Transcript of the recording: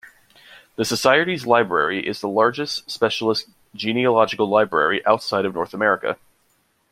The Society's Library is the largest specialist genealogical library outside North America.